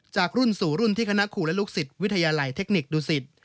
จากรุ่นสู่รุ่นที่คณะครูและลูกศิษย์วิทยาลัยเทคนิคดูสิต